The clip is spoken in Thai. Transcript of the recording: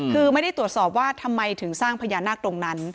คือไม่ได้ตรวจสอบว่าทำไมถึงสร้างพญานาคตรงนั้น